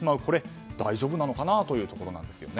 これは大丈夫なのかなというところです。